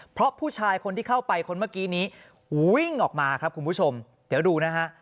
เพราะผู้ชายคนที่เข้าไปคนเมื่อกี้นี้วิ่งออกมาครับคุณผู้ชมเดี๋ยวดูนะฮะ